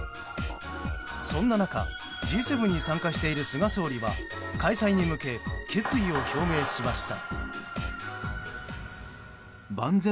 そんな中、Ｇ７に参加している菅総理は開催に向け決意を表明しました。